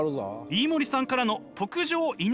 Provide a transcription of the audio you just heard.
飯森さんからの特上稲荷寿司！